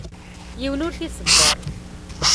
Yiwen ur t-iṣebber.